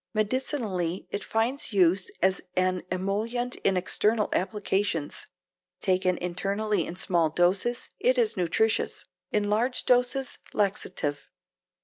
Medicinally it finds use as an emollient in external applications. Taken internally in small doses it is nutritious; in large doses laxative.